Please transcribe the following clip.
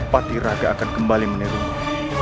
pati raga akan kembali menirunya